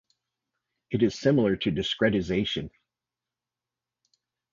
It is similar to discretization.